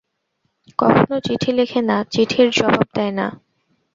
কখনো চিঠি লেখে না, চিঠির জাবাব দেয় না।